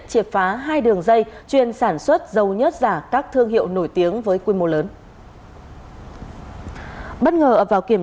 triệt phá hai đường dây chuyên sản xuất dâu nhất giả các thương hiệu nổi tiếng với quy mô lớn